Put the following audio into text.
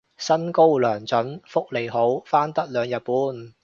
薪高糧準福利好返得兩日半